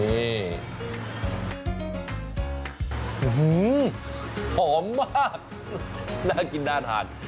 อื้อหือหอมมากน่ากินน่าถาด